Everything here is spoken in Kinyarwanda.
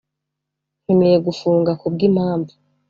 nkeneye gufunga kubwimpamvu